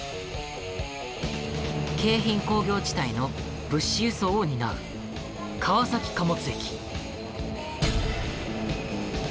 京浜工業地帯の物資輸送を担う川崎貨物駅。